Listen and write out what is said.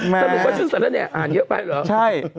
ถ้าหลุดวันชื่นสันแล้วเนี่ยอ่านเยอะไปเหรอใช่